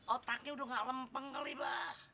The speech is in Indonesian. otaknya udah gak lempeng kali pak